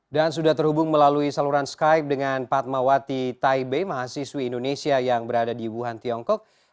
dan sudah terhubung melalui saluran skype dengan fatmawati taibe mahasiswi indonesia yang berada di wuhan tiongkok